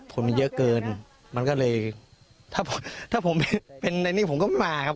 ผลมันเยอะเกินมันก็เลยถ้าผมเป็นในนี้ผมก็ไม่มาครับ